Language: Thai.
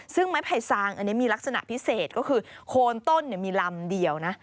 ซึ่งไม้ไผ่ซางอันนี้มีลักษณะพิเศษก็คือโคนต้นมีลำเดียวนะ